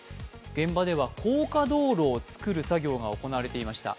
現場では高架道路を造る作業が行われていました。